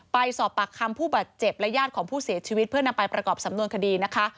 ไปสอบปากคำผู้บาดเจ็บและญาติของผู้เสียชีวิตเพื่อนำไปประกอบสำนวนคดีนะคะ